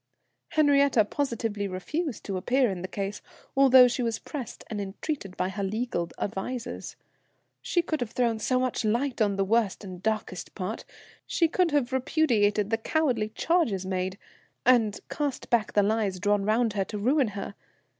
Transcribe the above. "Henriette positively refused to appear in the case, although she was pressed and entreated by her legal advisers. She could have thrown so much light on the worst and darkest part. She could have repudiated the cowardly charges made, and cast back the lies drawn round her to ruin her.